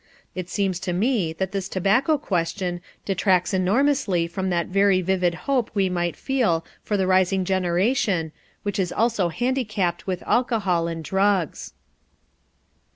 It seems to me that this tobacco question detracts enormously from that very vivid hope we might feel for the rising generation, which is also handicapped with alcohol and drugs.